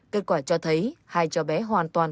kết quả cho thấy hai cháu bé hoàn toàn